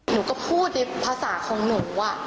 หนูก็พูดในภาษาของหนู